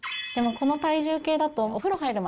この体重計だと。